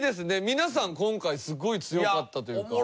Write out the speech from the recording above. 皆さん今回すごい強かったというか。